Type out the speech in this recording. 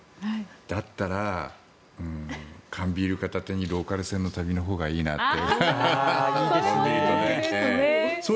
だったら、缶ビール片手にローカル線の旅のほうがいいなって。